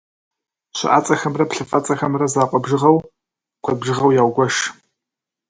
Щыӏэцӏэхэмрэ плъыфэцӏэхэмрэ закъуэ бжыгъэу, куэд бжыгъэу яугуэш.